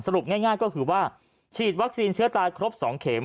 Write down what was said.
ง่ายก็คือว่าฉีดวัคซีนเชื้อตายครบ๒เข็ม